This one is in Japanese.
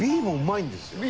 Ｂもうまい。